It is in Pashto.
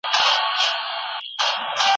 ټولنپوهنه د انسانیت خدمت دی.